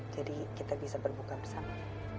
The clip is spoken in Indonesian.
jadi kita bisa berbuka bersama